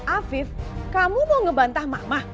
afif kamu mau ngebantah mama